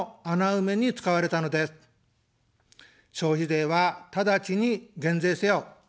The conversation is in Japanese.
消費税はただちに減税せよ。